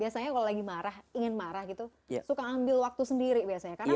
biasanya kalau lagi marah ingin marah gitu suka ambil waktu sendiri biasanya